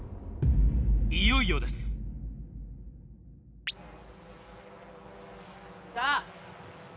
いよいよです。来た。